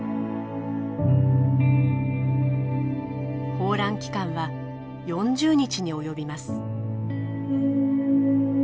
抱卵期間は４０日に及びます。